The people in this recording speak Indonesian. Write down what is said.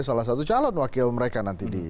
salah satu calon wakil mereka nanti di